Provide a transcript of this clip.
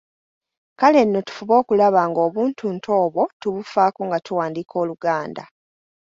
Kale nno tufube okulaba ng’obuntuntu obwo tubufaako nga tuwandiika Oluganda.